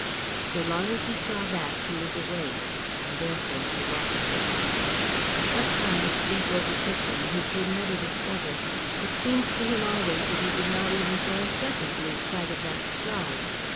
So long as he saw that, he was awake, and therefore he watched it. At what time sleep overtook him he could never discover. It seemed to him always that he did not even for a second lose sight of that star.